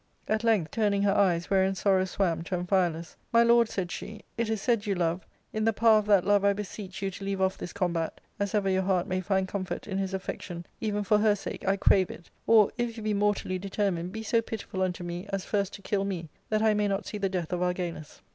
At length turning her eyes, wherein sorrow swam, to Amphialus, " My lord," said she, " it is said you love ; in the power of that love I beseech you to leave off this combat, as ever your heart may find comfort in his affection, even. for her sake, I crave it ; or, if you be mortally determined, be so pitiful unto me as first to kill me, that I may not see the death of Argalus."